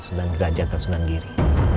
sundaneraja dan sundanegiri